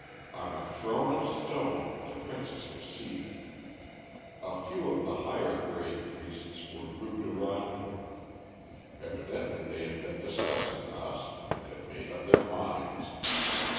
"On a throne of stone the princess was seated. A few of the higher grade priests were grouped around her. Evidently they had been discussing us, and had made up their minds.